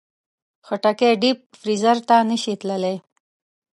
خټکی ډیپ فریزر ته نه شي تللی.